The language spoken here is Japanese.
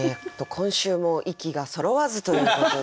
今週も息がそろわずということで。